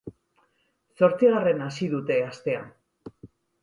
Zortzigarren hasi dute astea.